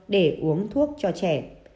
để uống thuốc cho trẻ